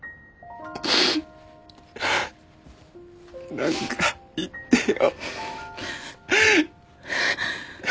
何か言ってよ。